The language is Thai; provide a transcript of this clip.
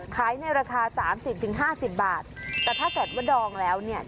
ขายในราคาสามสิบถึงห้าสิบบาทแต่ถ้าเกิดว่าดองแล้วเนี่ย